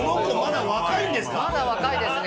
まだ若いですね